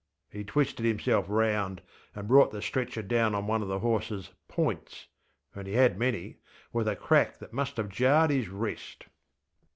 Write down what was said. ŌĆÖ He twisted himself round, and brought the stretcher down on one of the horseŌĆÖs ŌĆśpointsŌĆÖ (and he had many) with a crack that must have jarred his wrist.